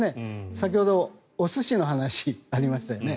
先ほどお寿司の話がありましたよね。